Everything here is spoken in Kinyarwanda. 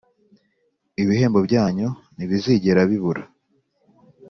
ibihembo byanyu ntibizigera bibura